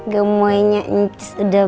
gemenya nyitis udah berubah